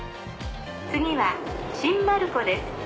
次は新丸子です。